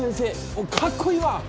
もうかっこいいわ。